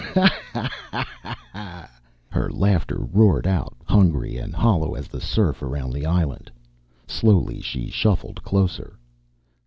"Ho ho, ho ho!" Her laughter roared out, hungry and hollow as the surf around the island. Slowly, she shuffled closer.